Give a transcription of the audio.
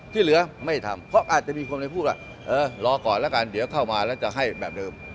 ที่เหลือไม่ทำเพราะอาจจะมีคนไปพูดว่าเออรอก่อนแล้วกันเดี๋ยวเข้ามาแล้วจะให้แบบเดิม